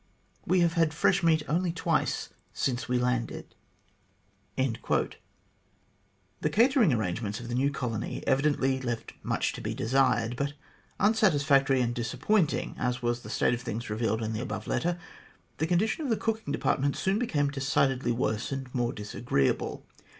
We have had fresh meat only twice since we landed." The catering arrangements of the new colony evidently left much to be desired, but unsatisfactory and disappointing as was the state of things revealed in the above letter, the condition of the cooking department soon became decidedly worse and more disagreeable.